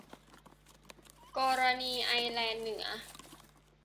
กรณีไอร์แลนด์เหนือ